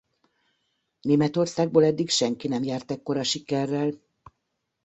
Németországból eddig senki nem járt ekkora sikerrel.